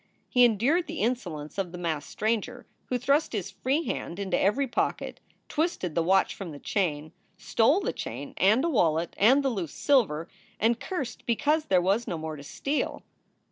He endured the insolence of the masked stranger who thrust his free hand into every pocket, twisted the watch from the chain, stole the chain and a wallet and the loose silver, and cursed because there was no more to steal.